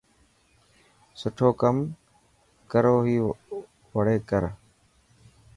سٺو ڪم ڪروهي وڙي ڪر.